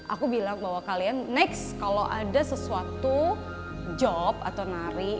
aku bilang bahwa kalian next kalau ada sesuatu job atau nari